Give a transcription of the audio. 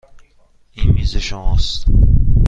این میز شماست.